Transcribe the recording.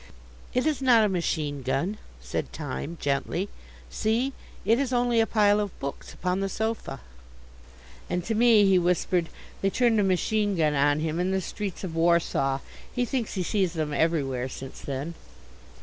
"It is not a machine gun," said Time gently. "See, it is only a pile of books upon the sofa." And to me he whispered, "They turned a machine gun on him in the streets of Warsaw. He thinks he sees them everywhere since then."